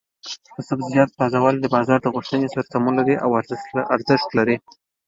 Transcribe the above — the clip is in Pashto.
د سبزیجاتو تازه والي د بازار د غوښتنې سره سمون لري او ارزښت لري.